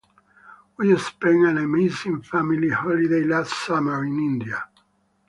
We spent an amazing family holiday last summer in India.